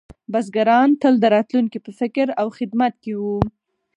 بزګران تل د راتلونکي په فکر او خدمت کې وو.